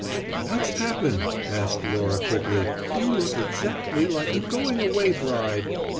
"What's happened?" asked Laura quickly. "You look exactly like a going away bride.